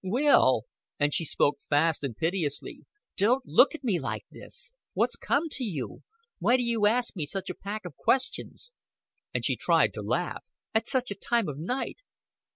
"Will!" And she spoke fast and piteously; "don't look at me like this. What's come to you? Why do you ask me such a pack of questions?" And she tried to laugh. "At such a time of night!"